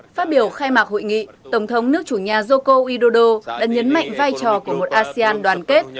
phát biểu khai mạc hội nghị tổng thống nước chủ nhà joko widodo đã nhấn mạnh vai trò của một asean đoàn kết